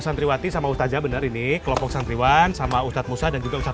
santriwati sama ustaja benar ini kelompok santriwan sama ustadz musa dan juga ustadz